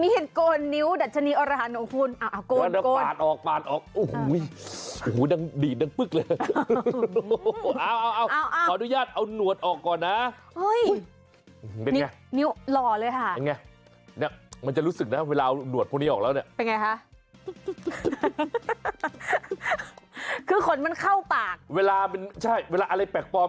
หนาวมันหนาวแล้วกืน